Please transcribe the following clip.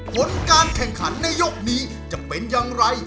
ผลการแข่งขันในยกนี้จะเป็นอย่างไร